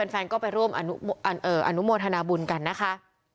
แฟนก็ไปร่วมอนุโมทนาบุญกันนะคะ